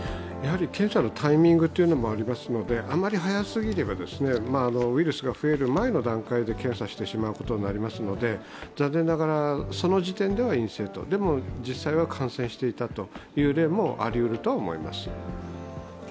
検査のタイミングというのもありますので、あまり早すぎればウイルスが増える前の段階で検査してしまうことになりますので残念ながら、その時点では陰性と、でも、実際は感染していたという例もありうるとは思います。